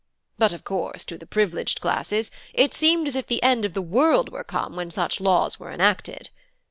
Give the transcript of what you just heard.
But of course to the privileged classes it seemed as if the end of the world were come when such laws were enacted.